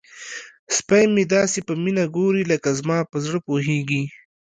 سپی مې داسې په مینه ګوري لکه زما په زړه پوهیږي.